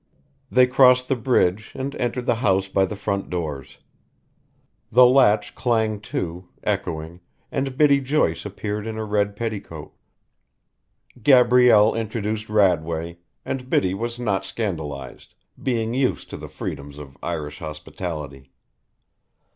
They crossed the bridge and entered the house by the front doors. The latch clanged to, echoing, and Biddy Joyce appeared in a red petticoat. Gabrielle introduced Radway, and Biddy was not scandalized, being used to the freedoms of Irish hospitality.